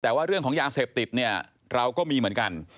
แต่ว่าเรื่องของยาเสพติดเนี่ยเราก็มีเหมือนกัน